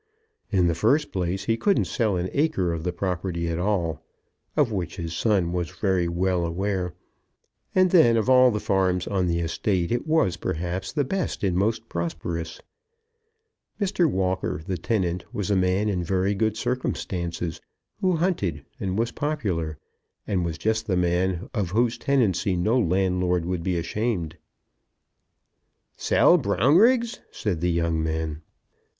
In the first place he couldn't sell an acre of the property at all, of which fact his son was very well aware; and then, of all the farms on the estate it was, perhaps, the best and most prosperous. Mr. Walker, the tenant, was a man in very good circumstances, who hunted, and was popular, and was just the man of whose tenancy no landlord would be ashamed. [Illustration: "What should you say if I proposed to sell Brownriggs?"] "Sell Brownriggs!" said the young man.